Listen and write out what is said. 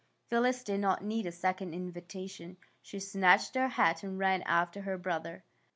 '' Phyllis did not need a second invitation. She snatched her hat and ran after her brother.